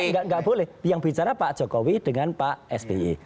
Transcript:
nggak boleh yang bicara pak jokowi dengan pak sby